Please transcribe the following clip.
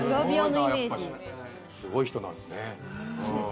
すごい人なんですね。